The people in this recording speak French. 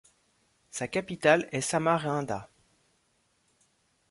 Sa capitale est Samarinda.